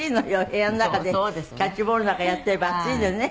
部屋の中でキャッチボールなんかやっていれば暑いのよね。